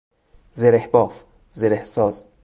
زره باف ـ زره ساز